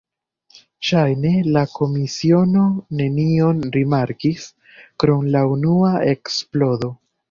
Ŝajne la komisiono nenion rimarkis, krom la unua eksplodo.